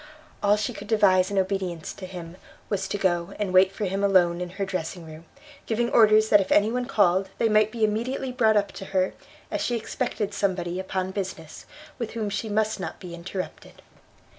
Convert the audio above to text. All she could devise in obedience to him, was to go and wait for him alone in her dressing room, giving orders that if any one called they might be immediately brought up to her, as she expected somebody upon business, with whom she must not be interrupted.